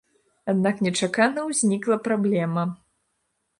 Аднак нечакана ўзнікла праблема.